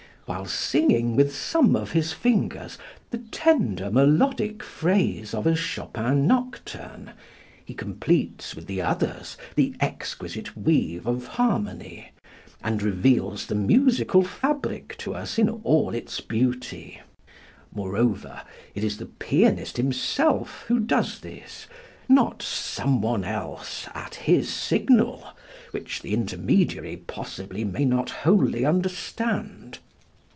While singing with some of his fingers the tender melodic phrase of a Chopin nocturne, he completes with the others the exquisite weave of harmony, and reveals the musical fabric to us in all its beauty. Moreover, it is the pianist himself who does this, not some one else at his signal, which the intermediary possibly may not wholly understand.